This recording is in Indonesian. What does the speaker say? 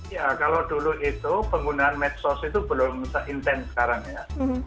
ya kalau dulu itu penggunaan medsos itu belum se intent sekarang ya